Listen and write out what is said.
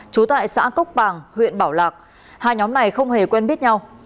trú tại xã cốc bàng huyện bảo lạc hai nhóm này không hề quen biết nhau